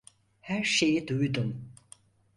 Her şeyi duydum.